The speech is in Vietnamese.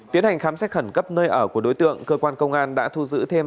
tiến hành khám xét khẩn cấp nơi ở của đối tượng cơ quan công an đã thu giữ thêm